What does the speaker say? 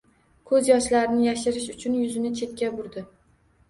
Koʻz yoshlarini yashirish uchun yuzini chetga burdi.